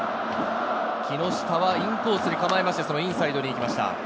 木下はインコースに構えまして、インサイドに来ました。